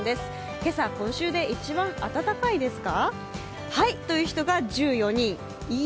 今朝、今週で一番暖かいですか？